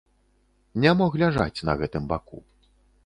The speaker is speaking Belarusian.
Не мог ляжаць на гэтым баку.